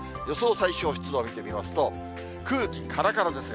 最小湿度を見てみますと、空気からからですね。